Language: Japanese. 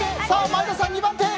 前田さん、２番手。